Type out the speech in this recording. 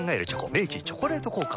明治「チョコレート効果」